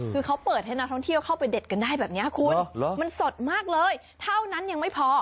คือเขาเปิดให้นักท่องเที่ยวเข้าไปเด็ดกันได้แบบนี้คุณมันสดมากเลยเท่านั้นยังไม่พอ